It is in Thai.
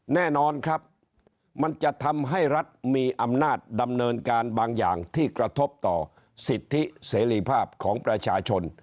แน่นอนครับมันจะทำให้รัฐมีอำนาจดำเนินการบางอย่างที่กระทบต่อสิทธิเสรีภาพของประชาชน